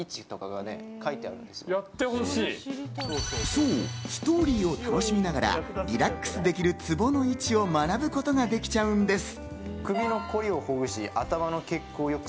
そう、ストーリーを楽しみながら、リラックスできるツボの位置を学べることができちゃうんです。